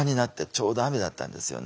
ちょうど雨だったんですよね。